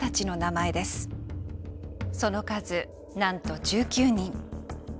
その数なんと１９人。